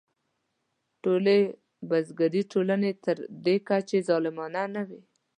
ټولې بزګري ټولنې تر دې کچې ظالمانه نه وې.